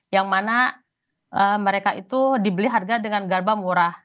yang mana mereka itu dibeli harga dengan garba murah